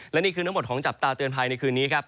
และนี่คือทั้งหมดของจับตาเตือนภัยในคืนนี้ครับ